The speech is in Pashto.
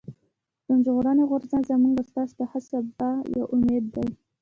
پښتون ژغورني غورځنګ زموږ او ستاسو د ښه سبا يو امېد دی.